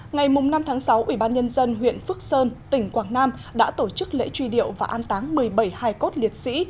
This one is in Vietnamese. ngày năm tháng sáu ubnd huyện phước sơn tỉnh quảng nam đã tổ chức lễ truy điệu và an táng một mươi bảy hài cốt liệt sĩ